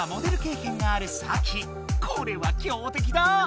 これは強てきだ！